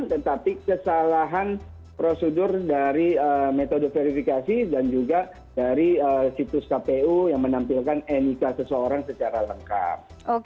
tetapi kesalahan prosedur dari metode verifikasi dan juga dari situs kpu yang menampilkan nik seseorang secara lengkap